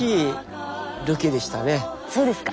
そうですか。